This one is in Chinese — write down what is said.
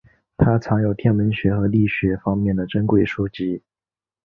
他藏有天文学和力学方面的珍贵书籍。